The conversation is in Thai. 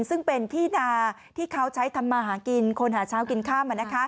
ซึ่งเป็นที่นาที่เขาใช้ทำมาหากินคนหาเช้ากินค่ำ